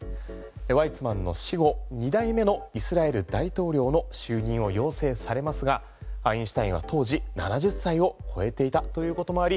ワイツマンの死後２代目のイスラエル大統領の就任を要請されますがアインシュタインは当時７０歳を超えていたということもあり